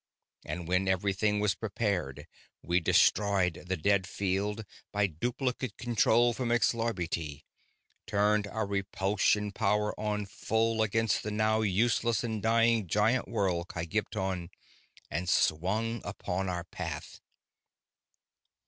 And when everything was prepared, we destroyed the dead field by duplicate control from Xlarbti, turned our repulsion power on full against the now useless and dying giant world Kygpton, and swung upon our path.